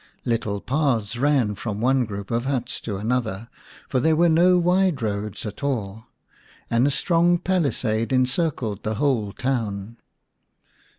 Little paths ran from one group of huts to another, for there were no wide roads at all, and a strong palisade encircled the whole town.